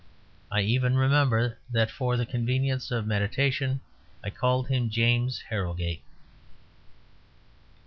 I even remember that for the convenience of meditation I called him James Harrogate.